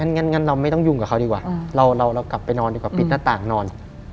งั้นเราไม่ต้องยุ่งกับเขาดีกว่าเรากลับไปนอนดีกว่าปิดหน้าต่างนอน